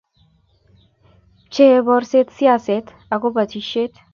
pchee borset siaset ago boishet